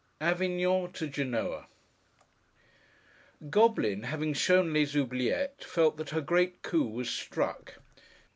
AVIGNON TO GENOA GOBLIN, having shown les oubliettes, felt that her great coup was struck.